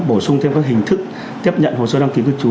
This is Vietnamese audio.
bổ sung thêm các hình thức tiếp nhận hồ sơ đăng ký cư trú